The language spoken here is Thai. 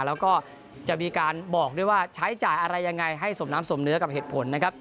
แล้วก็จะมีการบอกด้วยว่าใช้จ่ายอะไรยังไงให้สมน้ำสมเนื้อกับเหตุผลนะครับ